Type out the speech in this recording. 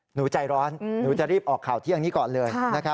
หนูใจร้อนหนูจะรีบออกข่าวเที่ยงนี้ก่อนเลย